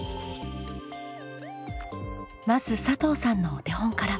まず佐藤さんのお手本から。